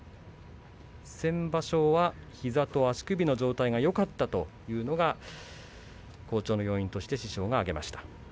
先場所は膝と足首の状態がよかったというのが好調の要因として師匠が挙げています。